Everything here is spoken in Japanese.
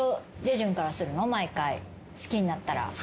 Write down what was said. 好きになったら。